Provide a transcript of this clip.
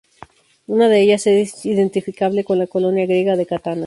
Una de ellas es identificable con la colonia griega de Catana.